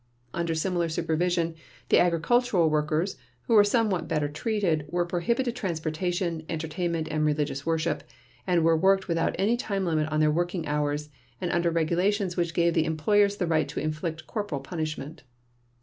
Under similar supervision, the agricultural workers, who were somewhat better treated, were prohibited transportation, entertainment, and religious worship, and were worked without any time limit on their working hours and under regulations which gave the employer the right to inflict corporal punishment.